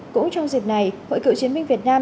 cũng trong dịp này hội cựu chiến binh việt nam